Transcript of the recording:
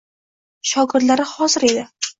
Shogirdlari hozir edi.